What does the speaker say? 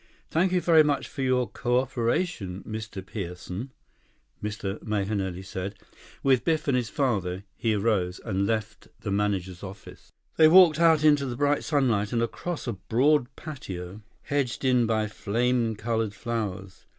32 "Thank you very much for your cooperation, Mr. Pierson," Mr. Mahenili said. With Biff and his father, he arose and left the manager's office. They walked out into the bright sunlight and across a broad patio, hedged in by flame colored flowers.